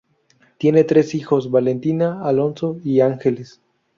Tiene tres hijos: Valentina, Alonso y Angeles.